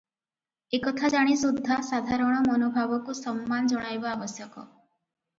ଏକଥା ଜାଣି ସୁଦ୍ଧା ସାଧାରଣ ମନୋଭାବକୁ ସମ୍ମାନ ଜଣାଇବା ଆବଶ୍ଯକ ।